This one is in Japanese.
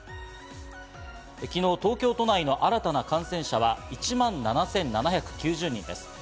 昨日、東京都内の新たな感染者は１万７７９０人です。